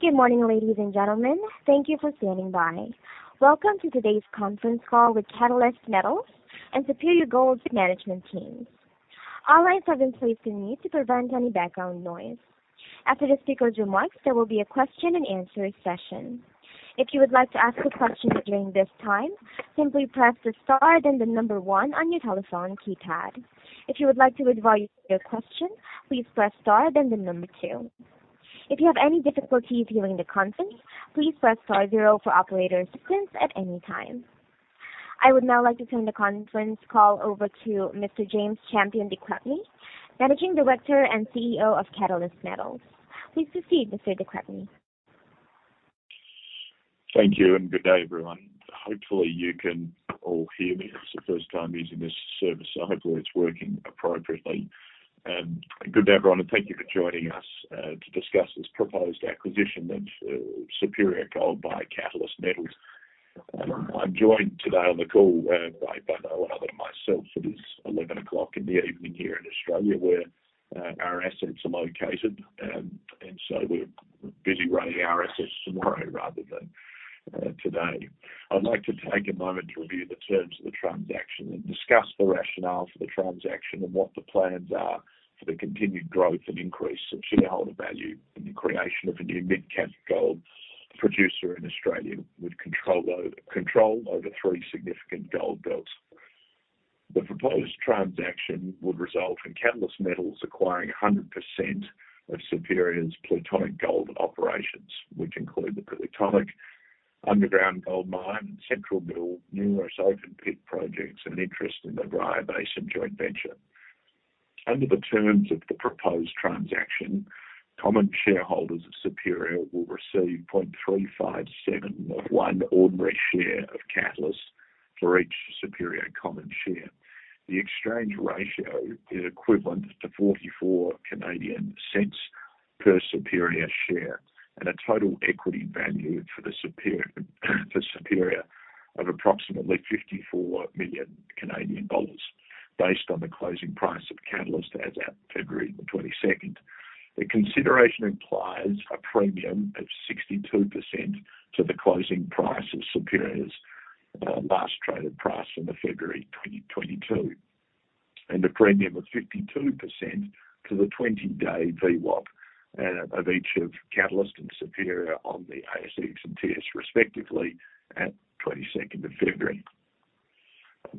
Good morning, ladies and gentlemen. Thank you for standing by. Welcome to today's conference call with Catalyst Metals and Superior Gold's management teams. All lines have been placed on mute to prevent any background noise. After the speaker's remarks, there will be a question-and-answer session. If you would like to ask a question during this time, simply press the star, then the number one on your telephone keypad. If you would like to withdraw your question, please press star, then the number two. If you have any difficulty viewing the conference, please press star zero for operator assistance at any time. I would now like to turn the conference call over to Mr. James Champion de Crespigny, Managing Director and CEO of Catalyst Metals. Please proceed, Mr. De Crespigny. Thank you. Good day, everyone. Hopefully, you can all hear me. It's the first time using this service, so hopefully it's working appropriately. Good day, everyone, and thank you for joining us to discuss this proposed acquisition of Superior Gold by Catalyst Metals. I'm joined today on the call by no one other than myself. It is 11:00 P.M. in the evening here in Australia, where our assets are located. We're busy running our assets tomorrow rather than today. I'd like to take a moment to review the terms of the transaction and discuss the rationale for the transaction and what the plans are for the continued growth and increase of shareholder value in the creation of a new mid-cap gold producer in Australia with control over three significant gold belts. The proposed transaction would result in Catalyst Metals acquiring 100% of Superior's Plutonic Gold Operations, which include the Plutonic underground gold mine, Central Mill, numerous open pit projects, and an interest in the Bryah Basin joint venture. Under the terms of the proposed transaction, common shareholders of Superior will receive 0.357 of one ordinary share of Catalyst for each Superior common share. The exchange ratio is equivalent to 0.44 per Superior share and a total equity value for Superior of approximately 54 million Canadian dollars based on the closing price of Catalyst as at February 22. The consideration implies a premium of 62% to the closing price of Superior's last traded price on February 2022, and a premium of 52% to the 20-day VWAP of each of Catalyst and Superior on the ASX and TSXV, respectively, at 22nd of February.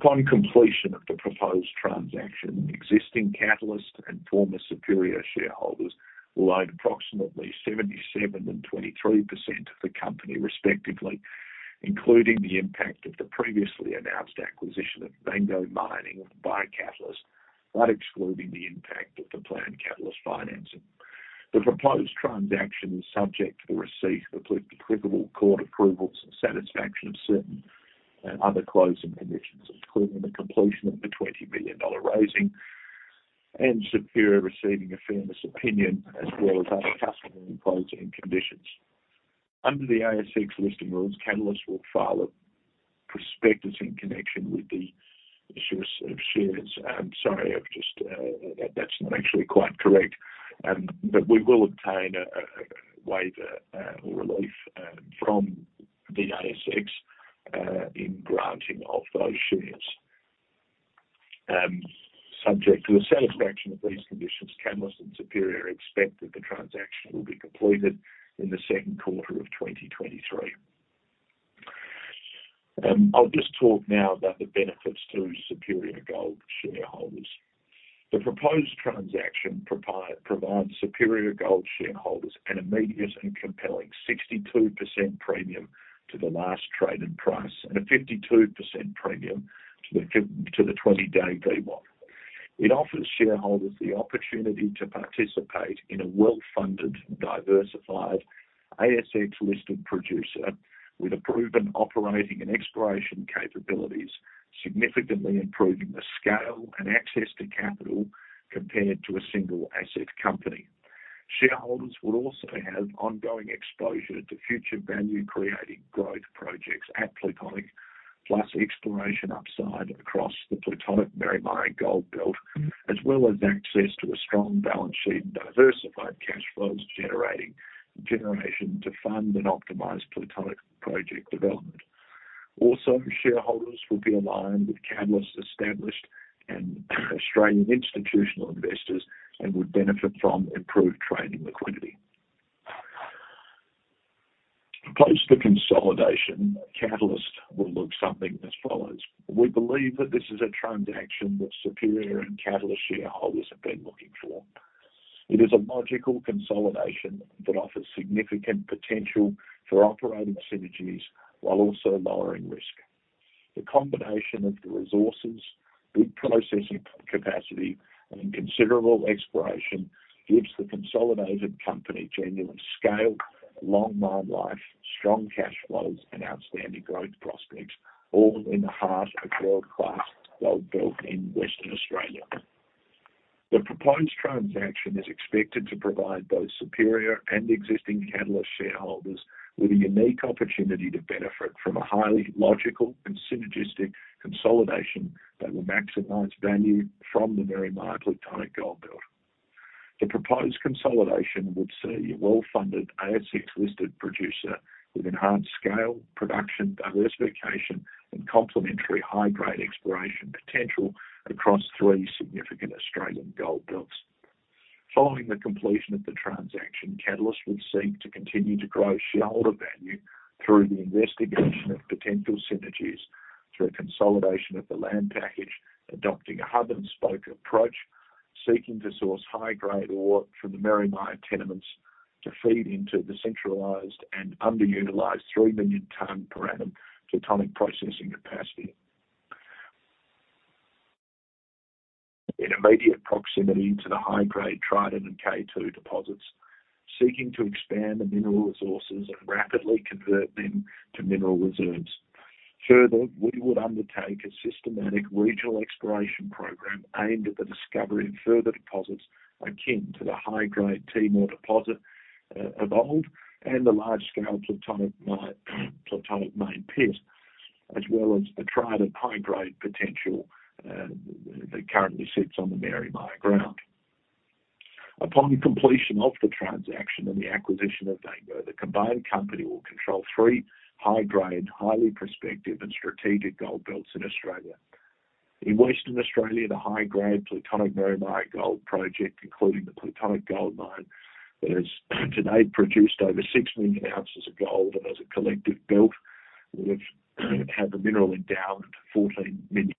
Upon completion of the proposed transaction, existing Catalyst and former Superior shareholders will own approximately 77% and 23% of the company, respectively, including the impact of the previously announced acquisition of Vango Mining by Catalyst, but excluding the impact of the planned Catalyst financing. The proposed transaction is subject to the receipt of applicable court approvals and satisfaction of certain other closing conditions, including the completion of the 20 billion dollar raising and Superior receiving a fairness opinion, as well as other customary closing conditions. Under the ASX listing rules, Catalyst will file a prospectus in connection with the issuance of shares. Sorry, I've just, that's not actually quite correct. We will obtain a waiver or relief from the ASX in granting of those shares. Subject to the satisfaction of these conditions, Catalyst and Superior expect that the transaction will be completed in the second quarter of 2023. I'll just talk now about the benefits to Superior Gold shareholders. The proposed transaction provides Superior Gold shareholders an immediate and compelling 62% premium to the last traded price and a 52% premium to the 20-day VWAP. It offers shareholders the opportunity to participate in a well-funded, diversified ASX-listed producer with proven operating and exploration capabilities, significantly improving the scale and access to capital compared to a single asset company. Shareholders will also have ongoing exposure to future value-creating growth projects at Plutonic, plus exploration upside across the Plutonic-Marymia gold belt, as well as access to a strong balance sheet and diversified cash flows generation to fund and optimize Plutonic project development. Shareholders will be aligned with Catalyst's established and Australian institutional investors and would benefit from improved trading liquidity. Post the consolidation, Catalyst will look something as follows. We believe that this is a transaction that Superior and Catalyst shareholders have been looking for. It is a logical consolidation that offers significant potential for operating synergies while also lowering risk. The combination of the resources with processing capacity and considerable exploration gives the consolidated company genuine scale, long mine life, strong cash flows, and outstanding growth prospects, all in the heart of world-class gold belt in Western Australia. The proposed transaction is expected to provide both Superior and existing Catalyst shareholders with a unique opportunity to benefit from a highly logical and synergistic consolidation that will maximize value from the very Plutonic-Marymia gold belt. The proposed consolidation would see a well-funded ASX-listed producer with enhanced scale, production, diversification, and complementary high-grade exploration potential across three significant Australian gold belts. Following the completion of the transaction, Catalyst will seek to continue to grow shareholder value through the investigation of potential synergies through a consolidation of the land package, adopting a hub-and-spoke approach, seeking to source high-grade ore from the Marymia tenements to feed into the centralized and underutilized three million ton per annum Plutonic processing capacity. In immediate proximity to the high-grade Trident and K2 deposits, seeking to expand the mineral resources and rapidly convert them to mineral reserves. We would undertake a systematic regional exploration program aimed at the discovery of further deposits akin to the high-grade Timor deposit of old and the large-scale Plutonic Main Pit, as well as the Trident high-grade potential that currently sits on the Marymia ground. Upon completion of the transaction and the acquisition of Vango, the combined company will control three high-grade, highly prospective and strategic gold belts in Australia. In Western Australia, the high-grade Plutonic-Marymia Gold Project, including the Plutonic Gold Mine, that has today produced over six million ounces of gold and as a collective belt, which have a mineral endowment of 14 million.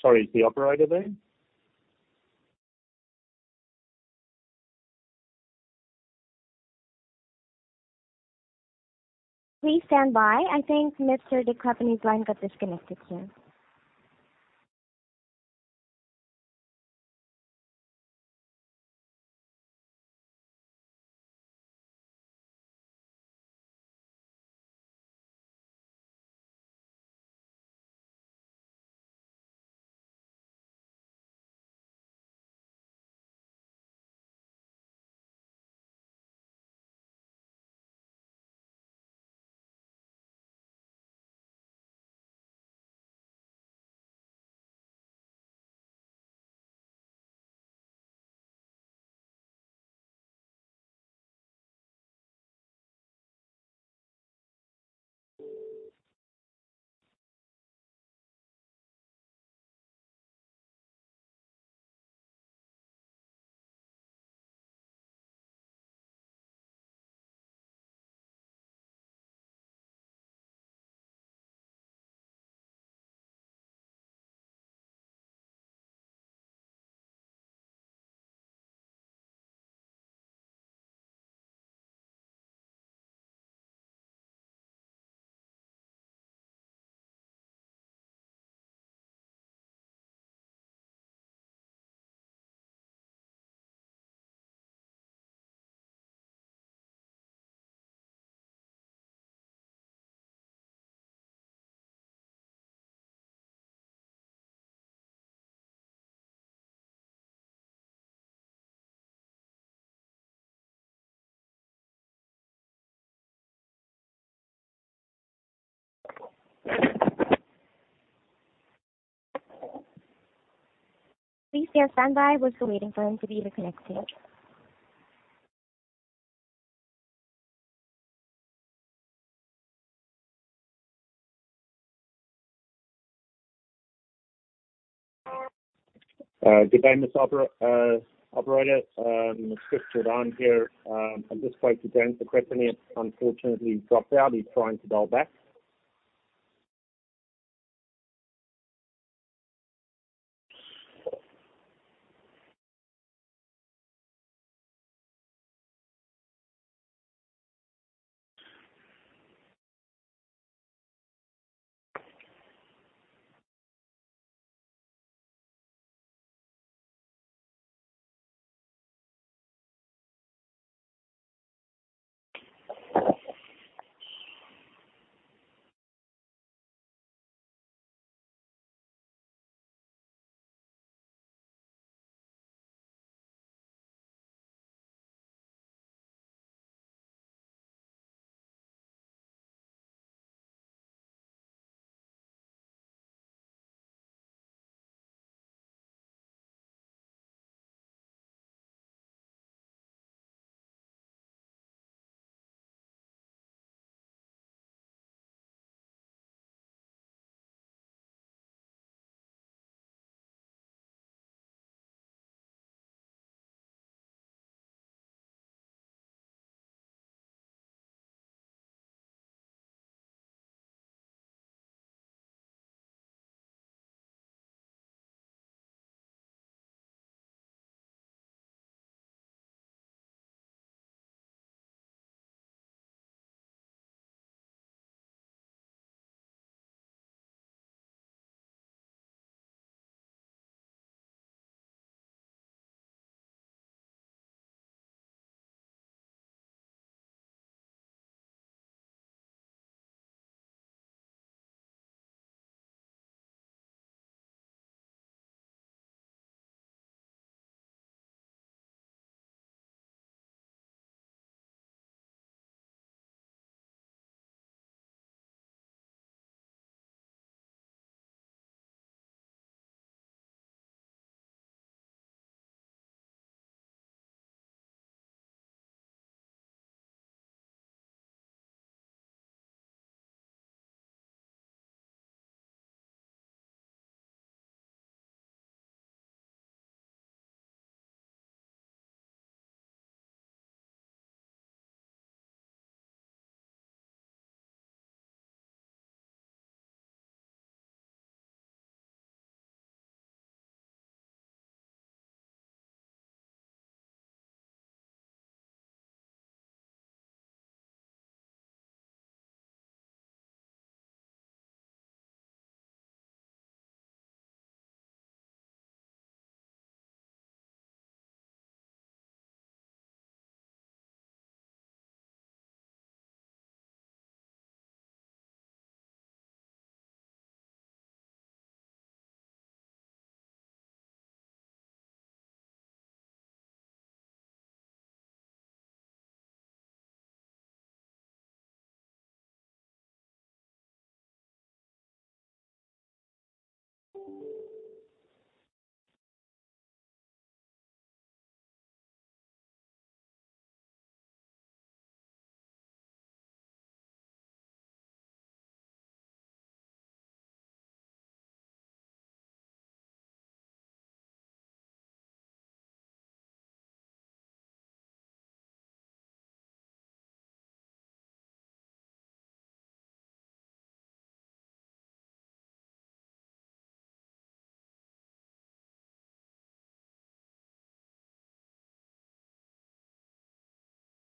Sorry, is the operator there? Please stand by. I think Mr. De Crespigny's line got disconnected here. Please stand by. We're still waiting for him to be reconnected. Good day, miss operator. It's Chris Jordaan here. I'm just spoke to Dan de Crespigny. Unfortunately, he dropped out. He's trying to dial back.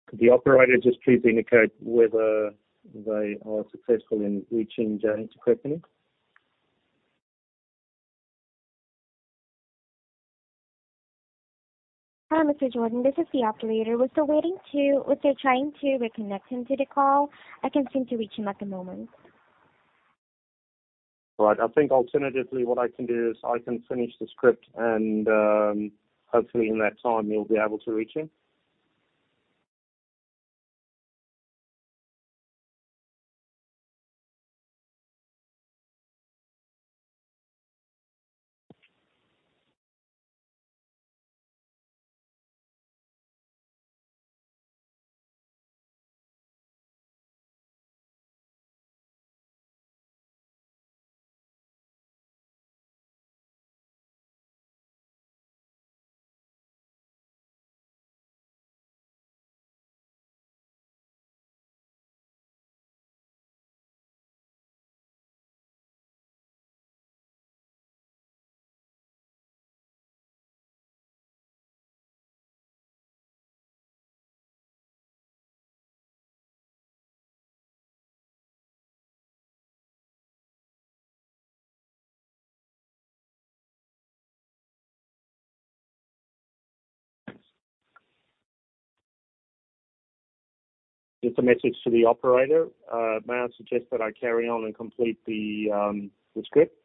Could the operator just please indicate whether they are successful in reaching James de Crespigny? Hi, Mr. Jordaan, this is the operator. We're still trying to reconnect him to the call. I can't seem to reach him at the moment. All right. I think alternatively what I can do is I can finish the script and, hopefully in that time you'll be able to reach him. Thanks. If the message to the operator, may I suggest that I carry on and complete the script?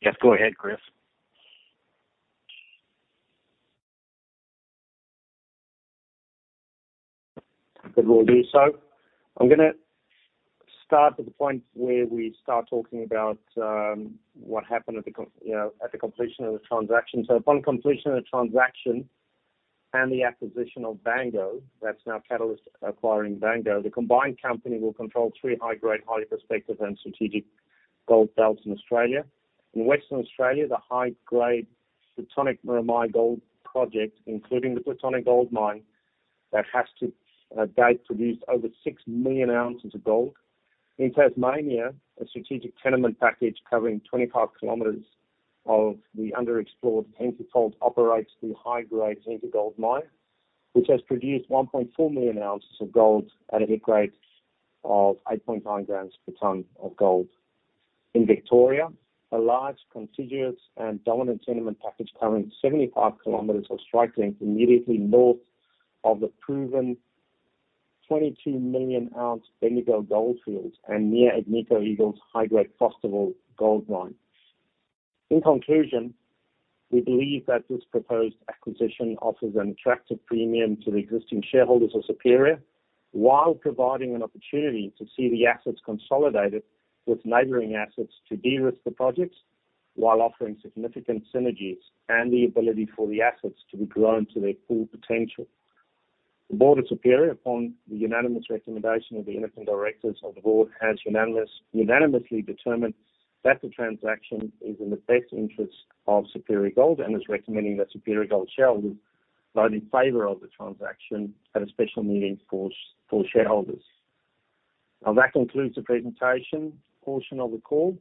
Yes, go ahead, Chris. We'll do so. I'm gonna start at the point where we start talking about, you know, at the completion of the transaction. Upon completion of the transaction and the acquisition of Vango, that's now Catalyst acquiring Vango. The combined company will control three high-grade, highly prospective and strategic gold belts in Australia. In Western Australia, the high-grade Plutonic-Marymia Gold Project, including the Plutonic Gold Mine that has to date, produced over six million ounces of gold. In Tasmania, a strategic tenement package covering 25 km of the underexplored Henty Gold operates the high-grade Henty Gold mine, which has produced 1.4 million ounces of gold at a head grade of 8.9 grams per ton of gold. In Victoria, a large, contiguous and dominant tenement package covering 75 kilometers of strike length immediately north of the proven 22 million ounce Bendigo Goldfields and near Agnico Eagle's high-grade Fosterville Gold Mine. In conclusion, we believe that this proposed acquisition offers an attractive premium to the existing shareholders of Superior while providing an opportunity to see the assets consolidated with neighboring assets to de-risk the projects while offering significant synergies and the ability for the assets to be grown to their full potential. The board of Superior, upon the unanimous recommendation of the independent directors of the board, has unanimously determined that the transaction is in the best interest of Superior Gold and is recommending that Superior Gold shareholders vote in favor of the transaction at a special meeting for shareholders. Now, that concludes the presentation portion of the call.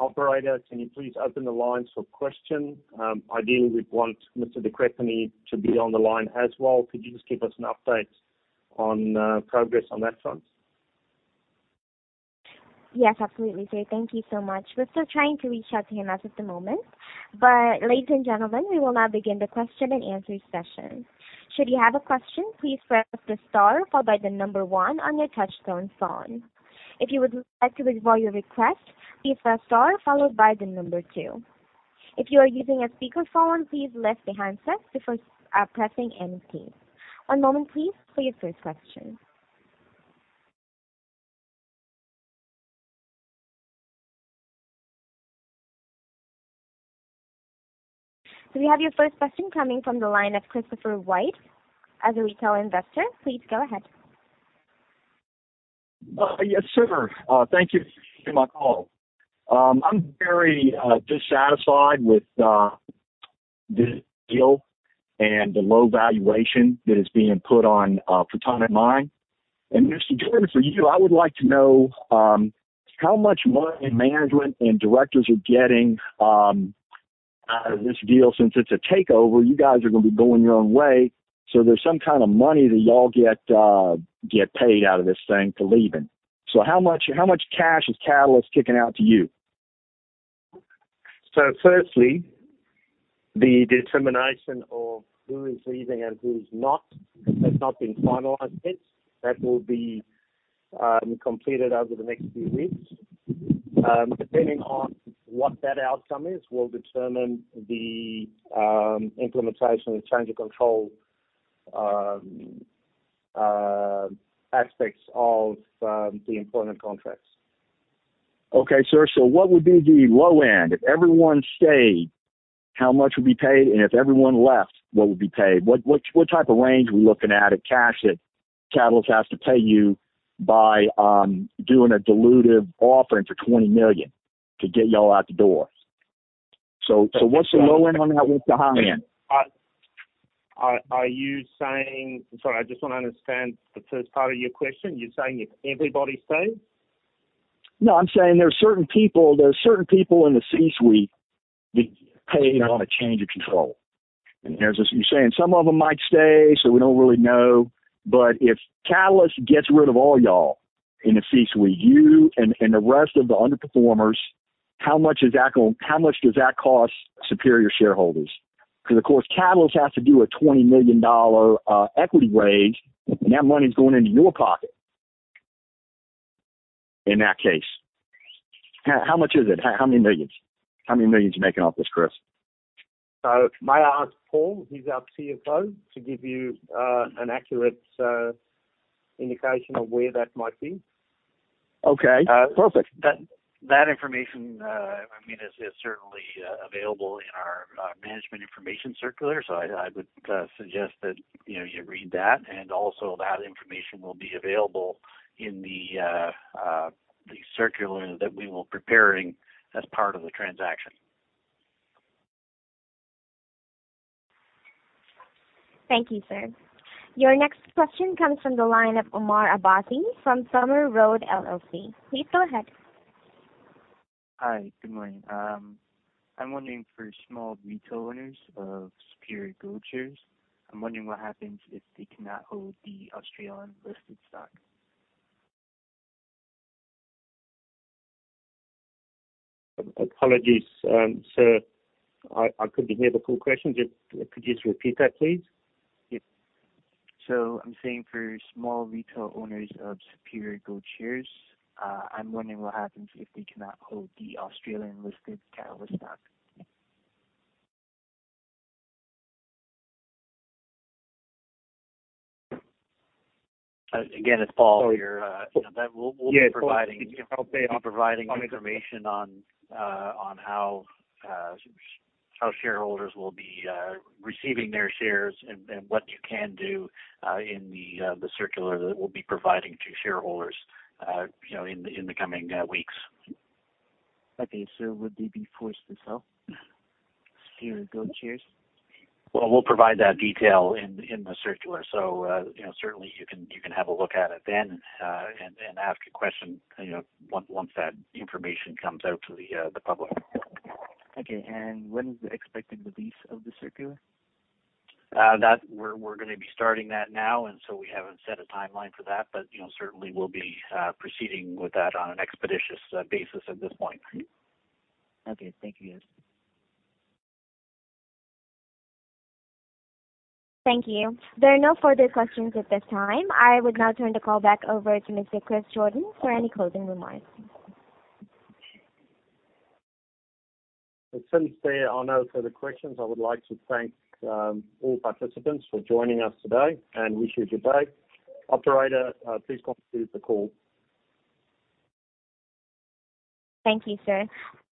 Operator, can you please open the lines for question? Ideally, we'd want Mr. De Crespigny to be on the line as well. Could you just give us an update? On, progress on that front? Yes, absolutely, sir. Thank you so much. We're still trying to reach out to him as of the moment. Ladies and gentlemen, we will now begin the question and answer session. Should you have a question, please press the star followed by the number one on your touchtone phone. If you would like to withdraw your request, please press star followed by the number two. If you are using a speakerphone, please lift the handset before pressing any key. One moment please for your first question. We have your first question coming from the line of Christopher White as a retail investor. Please go ahead. Yes, sir. Thank you for taking my call. I'm very dissatisfied with this deal and the low valuation that is being put on Plutonic Mine. Mr. Jordaan, for you, I would like to know how much money management and directors are getting out of this deal. Since it's a takeover, you guys are gonna be going your own way. There's some kind of money that y'all get paid out of this thing for leaving. How much cash is Catalyst kicking out to you? Firstly, the determination of who is leaving and who is not has not been finalized yet. That will be completed over the next few weeks. Depending on what that outcome is will determine the implementation and change of control aspects of the employment contracts. Okay, sir. What would be the low end? If everyone stayed, how much would be paid? If everyone left, what would be paid? What type of range are we looking at of cash that Catalyst has to pay you by doing a dilutive offer for 20 million to get y'all out the door? What's the low end on that with the high end? Are you saying, Sorry, I just wanna understand the first part of your question. You're saying if everybody stayed? No, I'm saying there's certain people, there are certain people in the C-suite getting paid on a change of control. As you're saying, some of them might stay, so we don't really know. If Catalyst gets rid of all y'all in the C-suite, you and the rest of the underperformers, how much does that cost Superior shareholders? Of course, Catalyst has to do a 20 million dollar equity raise, and that money's going into your pocket in that case. How much is it? How many millions? How many millions you making off this, Chris? May I ask Paul, he's our CFO, to give you an accurate indication of where that might be. Okay. Perfect. That information, I mean, is certainly available in our management information circular. I would suggest that, you know, you read that. Also, that information will be available in the circular that we will preparing as part of the transaction. Thank you, sir. Your next question comes from the line of Omar Abbasi from Summer Road LLC. Please go ahead. Hi. Good morning. I'm wondering for small retail owners of Superior Gold shares, I'm wondering what happens if they cannot hold the Australian-listed stock? Apologies, sir. I couldn't hear the full question. Could you just repeat that, please? Yep. I'm saying for small retail owners of Superior Gold shares, I'm wondering what happens if they cannot hold the Australian-listed Catalyst stock. Again, it's Paul here. you know, that we'll be providing. Yeah. We'll be providing information on how shareholders will be receiving their shares and what you can do in the circular that we'll be providing to shareholders, you know, in the coming weeks. Would they be forced to sell Superior Gold shares? Well, we'll provide that detail in the circular. You know, certainly you can have a look at it then, and ask a question, you know, once that information comes out to the public. Okay. When is the expected release of the circular? That we're gonna be starting that now. We haven't set a timeline for that. You know, certainly we'll be proceeding with that on an expeditious basis at this point. Okay. Thank you. Thank you. There are no further questions at this time. I would now turn the call back over to Mr. Chris Jordaan for any closing remarks. Since there are no further questions, I would like to thank all participants for joining us today and wish you good day. Operator, please conclude the call. Thank you, sir.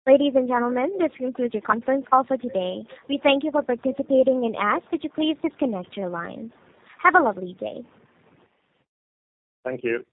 Ladies and gentlemen, this concludes your conference call for today. We thank you for participating and ask that you please disconnect your line. Have a lovely day. Thank you.